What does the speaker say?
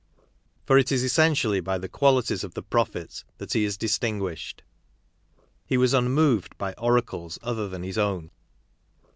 For it is essentially by the qualities of th e prop het t hat he is distinguishe B^ He was unnToved'Tjy oracles other than his own.